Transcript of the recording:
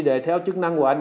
để theo chức năng của anh